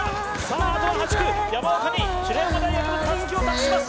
あとは８区山岡に白山大学の襷を託します